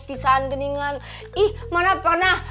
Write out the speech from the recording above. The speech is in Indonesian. pisaan keningan ih mana pernah